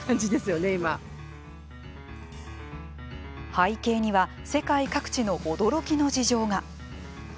背景には世界各地の驚きの事情が。